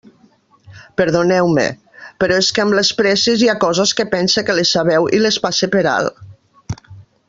Perdoneu-me, però és que amb les presses hi ha coses que pense que les sabeu i les passe per alt.